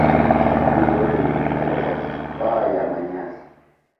kaburi lote lilifunikwa kwa paa ya manyasi